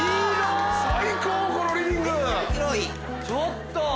ちょっと！